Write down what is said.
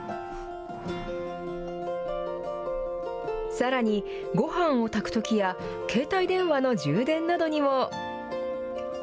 さらに、ごはんを炊くときや、携帯電話の充電などにも。